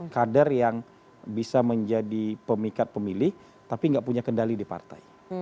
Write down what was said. kader yang bisa menjadi pemikat pemilih tapi nggak punya kendali di partai